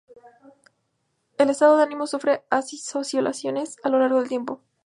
El estado de ánimo sufre oscilaciones a lo largo del tiempo.